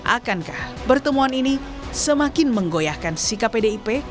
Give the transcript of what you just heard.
akankah pertemuan ini semakin menggoyahkan sikap pdip